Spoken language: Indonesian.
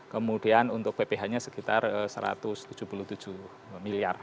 kemudian untuk pph nya sekitar satu ratus tujuh puluh tujuh miliar